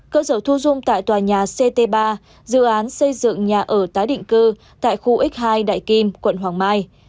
cơ sở thu dung tại tòa nhà ct ba dự án xây dựng nhà ở tái định cư tại khu x hai đại kim quận hoàng mai